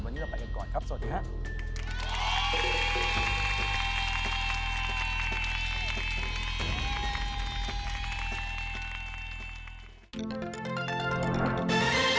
วันนี้เราไปกันก่อนครับสวัสดีครับ